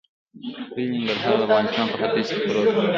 لوی ننګرهار د افغانستان په ختیځ کې پروت دی.